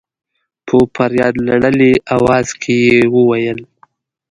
په فرياد لړلي اواز کې يې وويل.